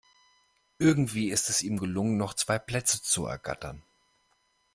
Irgendwie ist es ihm gelungen, noch zwei Plätze zu ergattern.